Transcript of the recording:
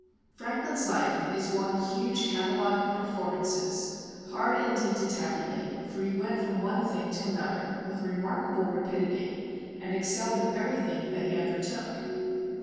Franklin's life is one huge catalogue of performances, hard indeed to tabulate, for he went from one thing to another with remarkable rapidity and excelled in everything that he undertook.